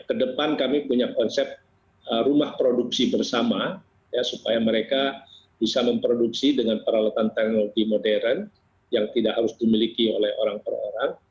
kedepan kami punya konsep rumah produksi bersama ya supaya mereka bisa memproduksi dengan peralatan teknologi modern yang tidak harus dimiliki oleh orang per orang